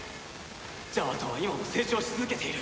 ジャマトは今も成長し続けている。